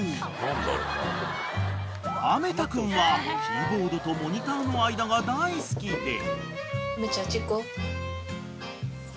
［キーボードとモニターの間が大好きで］